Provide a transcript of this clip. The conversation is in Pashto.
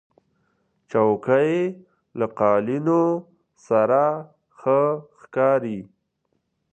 چوکۍ له قالینو سره ښه ښکاري.